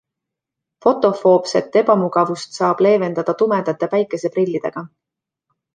Fotofoobset ebamugavust saab leevendada tumedate päikeseprillidega.